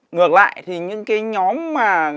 ngược lại thì những cái nhóm